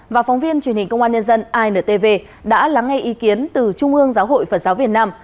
và phóng viên truyền hình công an nhân dân intv đã lắng ngay ý kiến từ trung ương giáo hội phật giáo việt nam